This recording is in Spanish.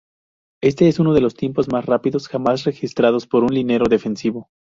Este es uno de los tiempos más rápidos jamás registrados por un liniero defensivo.